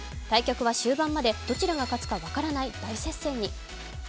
対局は終盤までどちらが勝つか分からない大接戦に。